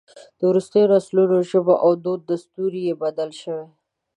د وروستیو نسلونو ژبه او دود دستور یې بدل شوی.